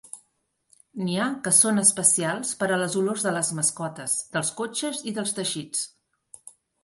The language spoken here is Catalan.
N'hi ha que són especials per a les olors de les mascotes, dels cotxes i dels teixits.